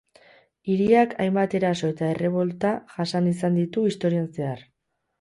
Hiriak hainbat eraso eta errebolta jasan izan ditu historian zehar.